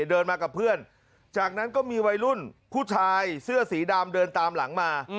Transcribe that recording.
เดินมากับเพื่อนจากนั้นก็มีวัยรุ่นผู้ชายเสื้อสีดำเดินตามหลังมา